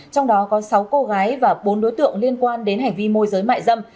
trong đó có sáu cô gái và bốn đối tượng liên quan đến hành vi môi giới mại dâm